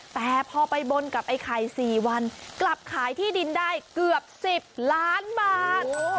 แต่พอไปบนกับไอ้ไข่๔วันกลับขายที่ดินได้เกือบ๑๐ล้านบาท